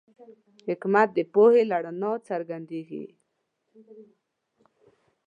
حکمت د پوهې له رڼا څرګندېږي.